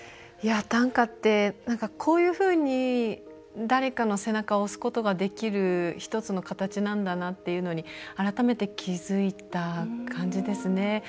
短歌って、こういうふうに誰かの背中を押すことができる１つの形なんだなっていうのに改めて気付いた感じですね。